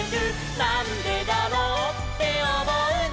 「なんでだろうっておもうなら」